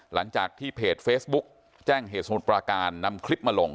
หลังจากที่เพจเฟซบุ๊กแจ้งเหตุสมุทรปราการนำคลิปมาลง